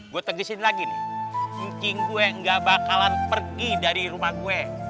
gue tegurin lagi nih ncing gue nggak bakalan pergi dari rumah gue